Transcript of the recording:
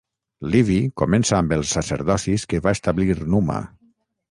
Livy comença amb els sacerdocis que va establir Numa.